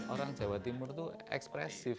orang jawa timur itu ekspresif